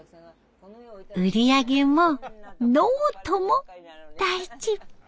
売り上げもノートも大事。